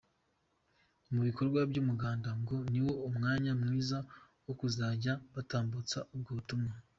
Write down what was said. Mu bikorwa by’umuganda ngo niwo umwanya mwiza wo kuzajya batambutsa ubwo butumwa.